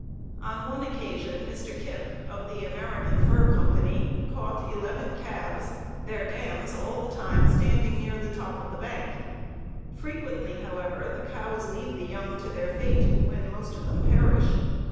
"On one occasion Mr. Kipp, of the American Fur Company, caught eleven calves, their dams all the time standing near the top of the bank. Frequently, however, the cows leave the young to their fate, when most of them perish.